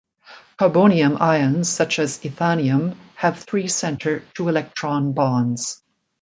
Carbonium ions such as ethanium have three-center two-electron bonds.